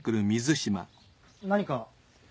何か？